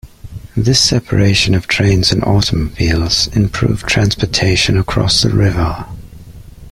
This separation of trains and automobiles improved transportation across the river.